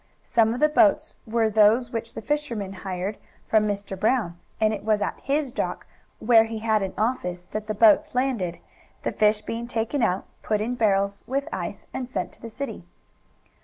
Some of the boats were those which the fishermen hired from Mr. Brown, and it was at his dock, where he had an office, that the boats landed, the fish being taken out, put in barrels, with ice, and sent to the city.